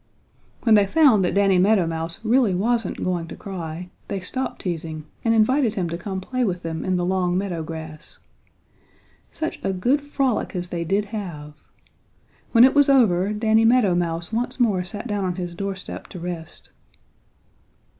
When they found that Danny Meadow Mouse really wasn't going to cry, they stopped teasing and invited him to come play with them in the long meadow grass. Such a good frolic as they did have! When it was over Danny Meadow Mouse once more sat down on his doorstep to rest.